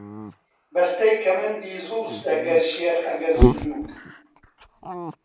بەستەی کەمەندی زوڵفتە، گەر شێخ، ئەگەر سولووک